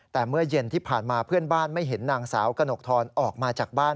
แต่เมื่อเย็นที่ผ่านมาเพื่อนบ้านไม่เห็นนางสาวกระหนกทรออกมาจากบ้าน